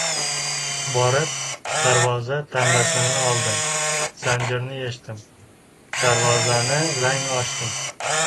Borib, darvoza tambasini oldim. Zanjirini yechdim. Darvozani lang ochdim.